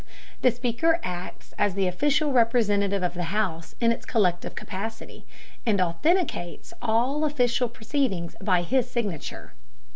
The Speaker acts as the official representative of the House in its collective capacity, and authenticates all official proceedings by his signature.